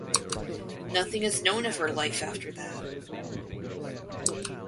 Nothing is known of her life after that.